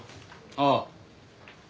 ああ。